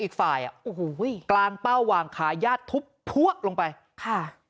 อีกฝ่ายอ่ะโอ้โหกลางเป้าวางขายาดทุบพัวลงไปค่ะ